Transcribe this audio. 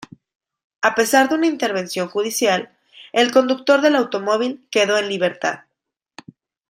A pesar de una intervención judicial, el conductor del automóvil, quedó en libertad.